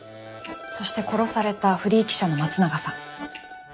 そして殺されたフリー記者の松永さん。